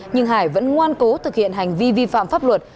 nhưng hải vẫn ngoan cố thực hiện hành vi vi phạm pháp luật